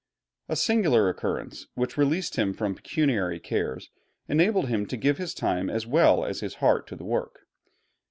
A singular occurrence, which released him from pecuniary cares, enabled him to give his time as well as his heart to the work.